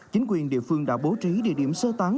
chính quyền địa phương đã bố trí địa điểm sơ tán